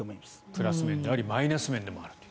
プラス面でありマイナス面でもあると。